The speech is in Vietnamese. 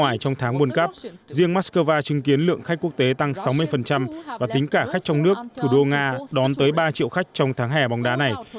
ngoài trong tháng buôn cắp riêng moscow chứng kiến lượng khách quốc tế tăng sáu mươi và tính cả khách trong nước thủ đô nga đón tới ba triệu khách trong tháng hè bóng đá này